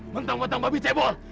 mentang mentang babi cewek